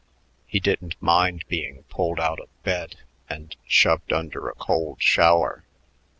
He didn't mind being pulled out of bed and shoved under a cold shower.